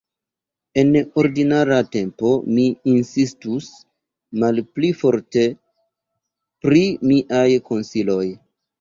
En ordinara tempo mi insistus malpli forte pri miaj konsiloj!